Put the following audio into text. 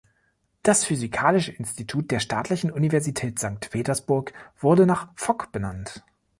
Das physikalische Institut der Staatlichen Universität Sankt Petersburg wurde nach Fock benannt.